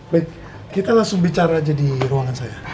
baik kita langsung bicara aja di ruangan saya